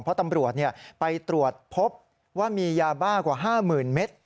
เพราะตำรวจไปตรวจพบว่ามียาบ้ากว่า๕๐๐๐เมตร